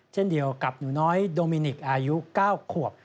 เช่นเดียวกับหนูน้อยโดมินิกอายุ๙ขวบ